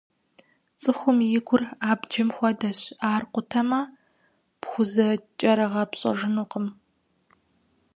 ЦӀыхум и гур абджым хуэдэщ, ар къутамэ, пхузэкӀэрыгъэпщӀэжынукъым.